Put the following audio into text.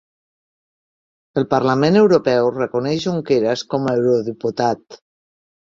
El Parlament Europeu reconeix Junqueras com a eurodiputat